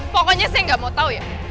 pokoknya saya gak mau tau ya